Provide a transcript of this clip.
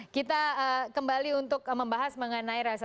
kita kembali untuk membahas mengenai rasa